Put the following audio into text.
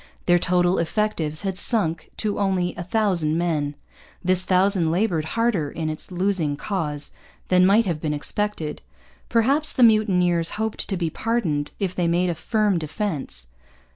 Their total effectives had sunk to only a thousand men. This thousand laboured harder in its losing cause than might have been expected. Perhaps the mutineers hoped to be pardoned if they made a firm defence.